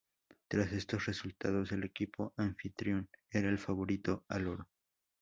Tras estos resultados el equipo anfitrión era el favorito al oro.